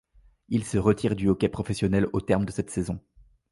Il se retire du hockey professionnel au terme de cette saison.